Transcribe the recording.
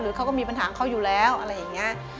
เขาก็มีปัญหาของเขาอยู่แล้วอะไรอย่างนี้